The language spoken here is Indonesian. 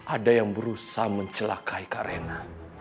ada yang berusaha mencelakai kak raina